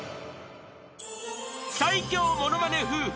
［最強物まね夫婦